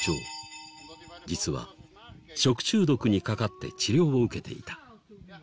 実は食中毒にかかって治療を受けていた。